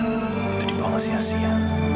itu dibawa ke sia sia